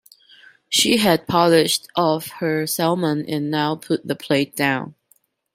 She had polished off her salmon, and now put the plate down.